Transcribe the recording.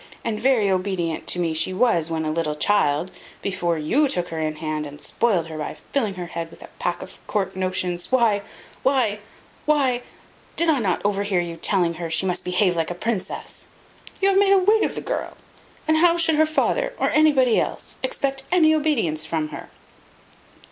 And very obedient to me she was when a little child, before you took her in hand and spoiled her, by filling her head with a pack of court notions. Why why why did I not overhear you telling her she must behave like a princess? You have made a Whig of the girl; and how should her father, or anybody else, expect any obedience from her?"